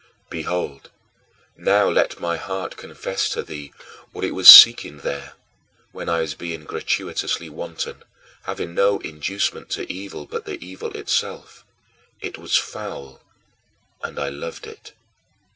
Behold, now let my heart confess to thee what it was seeking there, when I was being gratuitously wanton, having no inducement to evil but the evil itself. It was foul, and I loved it.